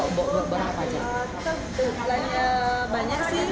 kita belanya banyak sih